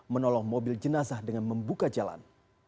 menolong mobil jenazah dengan membuka jalan